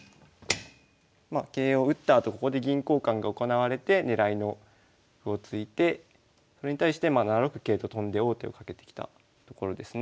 ま桂を打ったあとここで銀交換が行われて狙いの歩を突いてそれに対して７六桂と跳んで王手をかけてきたところですね。